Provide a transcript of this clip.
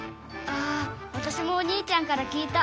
あわたしもお兄ちゃんから聞いた。